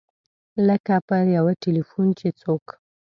لکه په یو ټیلفون چې څوک.